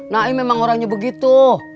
naim memang orangnya begitu